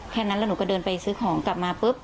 แค่นั้นแล้วหนูก็เดินไปซื้อของกลับมาปุ๊บ